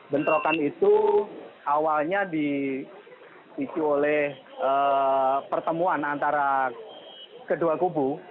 bentrokan itu awalnya dipicu oleh pertemuan antara kedua kubu